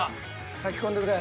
かき込んでくれ。